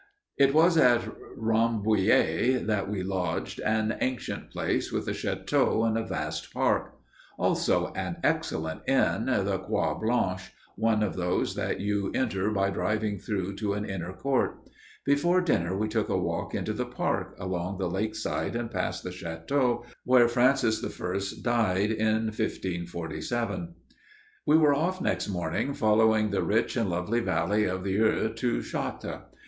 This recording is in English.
It was at Rambouillet that we lodged, an ancient place with a château and a vast park; also, an excellent inn the Croix Blanche one of those that you enter by driving through to an inner court. Before dinner we took a walk into the park, along the lakeside and past the château, where Frances I died, in 1547. We were off next morning, following the rich and lovely valley of the Eure, to Chartres.